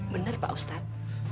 benar pak ustadz